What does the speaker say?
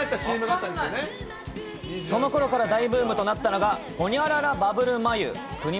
そのころから大ブームとなったのが、ホニャララバブル眉。